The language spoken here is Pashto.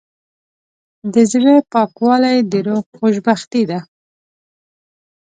د زړه پاکوالی د روح خوشبختي ده.